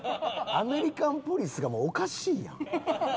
アメリカンポリスがもうおかしいやん。